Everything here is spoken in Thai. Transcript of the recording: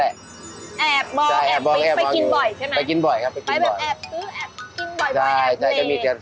แอบบอกแอบบิ๊กไปกินบ่อยครับไปกินบ่อยครับไปกินบ่อยครับไปกินบ่อยครับ